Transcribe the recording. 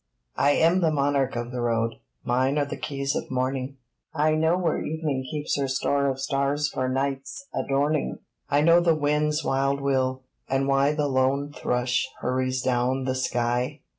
I am the monarch of the Road! Mine are the keys of morning, I know where evening keeps her store Of stars for night's adorning, I know the wind's wild will, and why The lone thrush hurries down the sky!